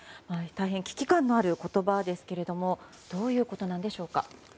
大変危機感のある言葉ですけれどもどういうことなんでしょうか。